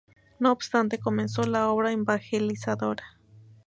No obstante comenzó la obra evangelizadora.